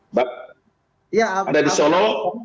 mbak ada di solo